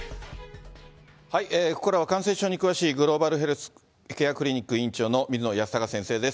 ここからは感染症に詳しい、グローバルヘルスケアクリニック院長の水野泰孝先生です。